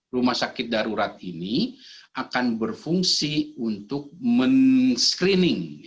rumah sakit darurat ini akan berfungsi untuk men screening